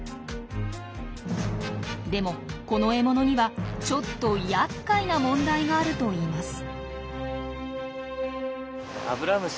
でもこの獲物にはちょっとやっかいな問題があるといいます。